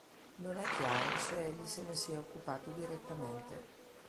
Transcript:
Non è chiaro se egli se ne sia occupato direttamente.